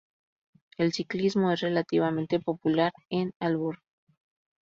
El ciclismo es relativamente popular en Aalborg.